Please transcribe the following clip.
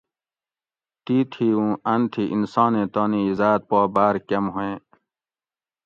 تیتھی اوں ان تھی انسانیں تانی عزاۤت پا باۤر کۤم ہوئیں